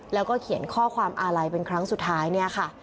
แล้วก็เขียนข้อความอาลัยเป็นครั้งสุดท้ายเนี่ยค่ะ